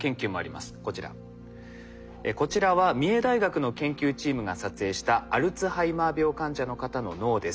こちらは三重大学の研究チームが撮影したアルツハイマー病患者の方の脳です。